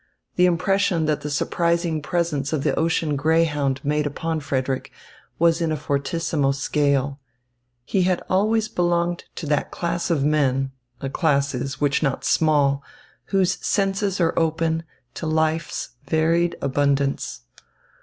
The impression that the surprising presence of the ocean greyhound made upon Frederick was in a fortissimo scale. He had always belonged to that class of men a class which is not small whose senses are open to life's varied abundance.